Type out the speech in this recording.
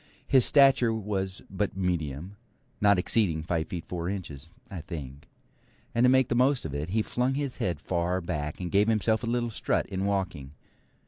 His stature was but medium, not exceeding five feet four inches, I think; and to make the most of it, he flung his head far back, and gave himself a little strut in walking.